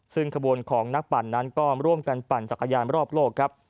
ซึ่งขบวนของนักปั่นนั้นก็ร่วมกันปั่นจักรยานรอบโลกครับ